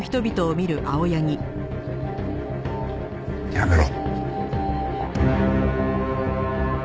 やめろ。